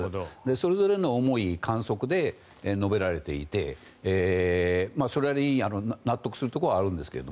それぞれの思い、観測で述べられていてそれなりに納得するところはあるんですが。